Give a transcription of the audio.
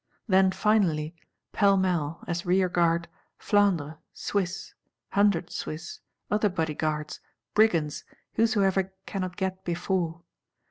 Then finally, pellmell, as rearguard, Flandre, Swiss, Hundred Swiss, other Bodyguards, Brigands, whosoever cannot get before.